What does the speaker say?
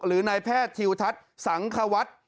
หรือนายแพทย์ทิวทัศน์สังควัฒน์